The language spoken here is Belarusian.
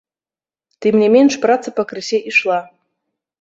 Тым не менш праца пакрысе ішла.